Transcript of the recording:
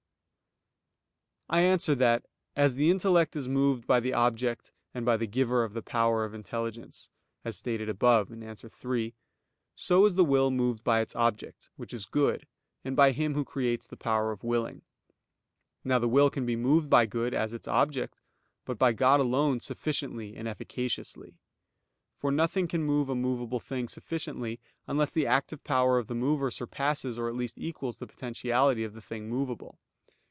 I answer that, As the intellect is moved by the object and by the Giver of the power of intelligence, as stated above (A. 3), so is the will moved by its object, which is good, and by Him who creates the power of willing. Now the will can be moved by good as its object, but by God alone sufficiently and efficaciously. For nothing can move a movable thing sufficiently unless the active power of the mover surpasses or at least equals the potentiality of the thing movable.